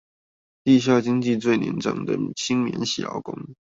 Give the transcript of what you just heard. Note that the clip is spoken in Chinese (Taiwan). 地下經濟最年長的新免洗勞工